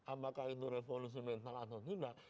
apakah itu revolusi mental atau tidak